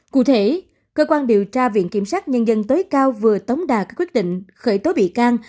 cụ thể cơ quan điều tra viện kiểm sát nhân dân tối cao vừa tống đạt quyết định khởi tố bị can